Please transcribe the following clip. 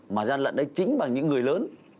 mà gian lận đấy chính bằng những người lớn